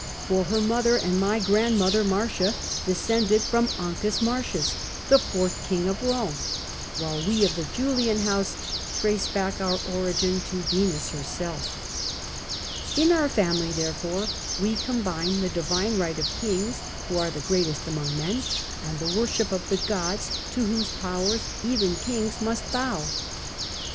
For her mother and my grandmother, Marcia, descended from Ancus Marcius, the fourth king of Rome; while we of the Julian house trace back our origin to Venus herself, C^SAR 304 In our family, therefore, we combine the divine right of kings, who are the greatest among men, and the worship of the gods, to whose power even kings must bow."